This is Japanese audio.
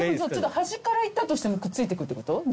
端からいったとしてもくっついてくってこと？